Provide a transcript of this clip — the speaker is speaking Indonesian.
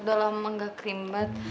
udah lama gak krim bat